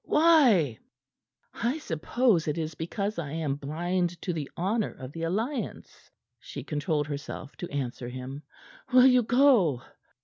Why?" "I suppose it is because I am blind to the honor of the alliance," she controlled herself to answer him. "Will you go?"